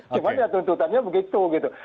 cuma ya tuntutannya begitu gitu